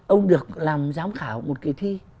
ông được làm giám khảo một kỳ thi